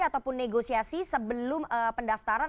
ataupun negosiasi sebelum pendaftaran